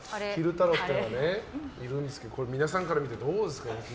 太郎っていうのがいるんですけど皆さんから見てどうですか？